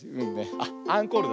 あっアンコールだ。